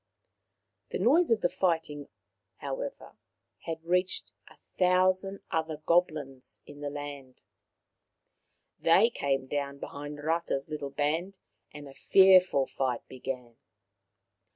The noise of the fighting, however, had reached a thousand other goblins in the land. They came down behind Rata's little band, and a fearful fight began.